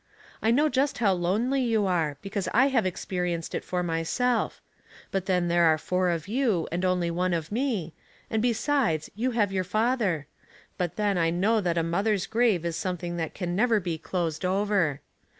I know just how lonely you are, because I have experienced it for myself; but then there are four of you, and only one of me, and, besides, you have your father; but then 1 know that a mother's grave is something that can never be closed over.